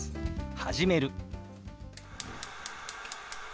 「始める」。